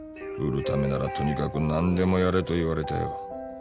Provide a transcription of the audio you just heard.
売るためならとにかく何でもやれと言われたよ